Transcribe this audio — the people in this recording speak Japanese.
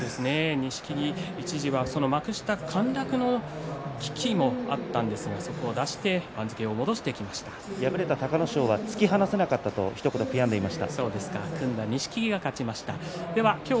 錦木、一時は幕下陥落の危機もあったんですがそこを脱して敗れた隆の勝は突き放せなかったとひと言悔やんでいました。